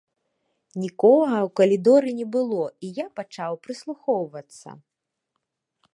Нікога ў калідоры не было, і я пачаў прыслухоўвацца.